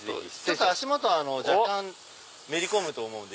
足元若干めり込むと思うんで。